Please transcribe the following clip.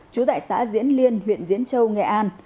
trú tại xã diễn liên huyện diễn châu nghệ an